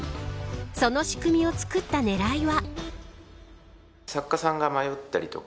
その仕組みを作った狙いは。